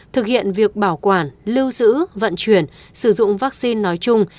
thực hiện việc bảo quản lưu giữ vận chuyển sử dụng vaccine nói chung